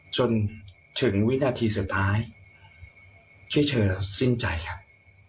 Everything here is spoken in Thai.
จนถึงวินาทีสุดท้ายช่วยเธอสิ้นใจครับ